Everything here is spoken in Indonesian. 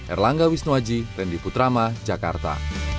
erlangga wisnuaji rendy putrama jakarta